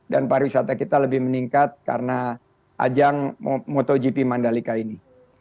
dan pariwisata kita lebih meningkat karena ajang motogp mandalika ini